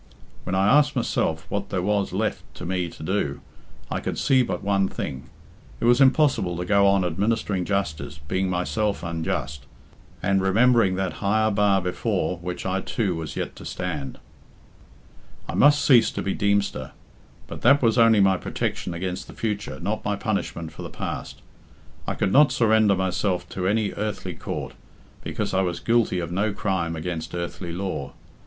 "When I asked myself what there was left to me to do, I could see but one thing. It was impossible to go on administering justice, being myself unjust, and remembering that higher bar before which I too was yet to stand. I must cease to be Deemster. But that was only my protection against the future, not my punishment for the past. I could not surrender myself to any earthly court, because I was guilty of no crime against earthly law.